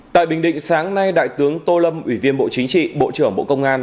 tại bình định sáng nay đại tướng tô lâm ủy viên bộ chính trị bộ trưởng bộ công an